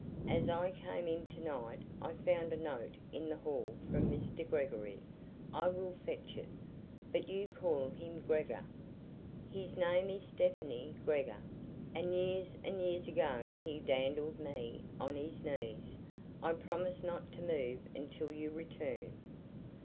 "As I came in to night I found a note in the hall from Mr. Gregory. I will fetch it. But you call him Gregor?" "His name is Stefani Gregor; and years and years ago he dandled me on his knees. I promise not to move until you return."